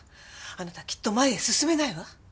あなたきっと前へ進めないわ。